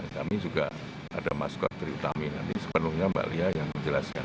kami juga ada maskot terutami nanti sepenuhnya mbak lia yang menjelaskan